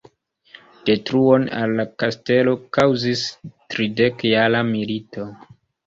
Detruon al la kastelo kaŭzis tridekjara milito.